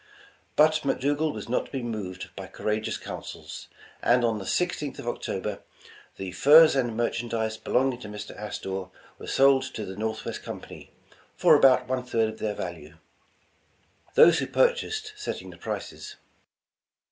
But McDougal was not to be moved by courageous counsels, and on the 16th of October "the furs and merchandise belonging to Mr. Astor were sold to the Northwest Company, for about one third of their value," those who purchased setting the prices.